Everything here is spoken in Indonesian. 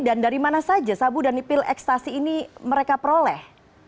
dan dari mana saja sabu dan pil ekstasi ini mereka peroleh